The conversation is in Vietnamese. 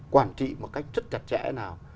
quản trị một cách rất chặt chẽ nào